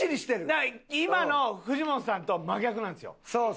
だから今の藤本さんと真逆なんですよ。